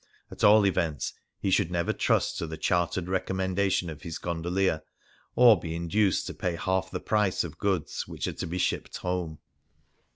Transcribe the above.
At all events, he should never trust to the chartered 137 Things Seen in Venice recommendation of his gondolier, or be inducect to pay half the price of goods which are to be shipped home.